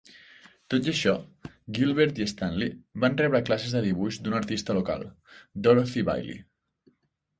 Tot i això, Gilbert i Stanley van rebre classes de dibuix d'un artista local, Dorothy Bailey.